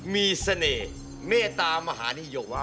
มีเสน่ห์เมตตามหานิยม